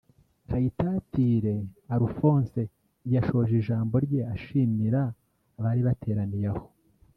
Kayitatire Alphone yashoje ijambo rye ashimira abari bateraniye aho